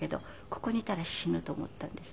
ここにいたら死ぬと思ったんですね。